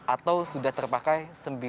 atau sudah terpakai